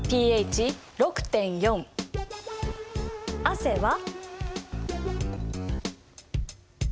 汗は。